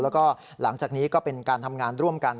แล้วก็หลังจากนี้ก็เป็นการทำงานร่วมกัน